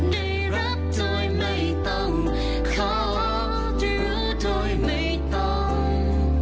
ได้รับโดยไม่ต้องขอได้รู้โดยไม่ต้องรอ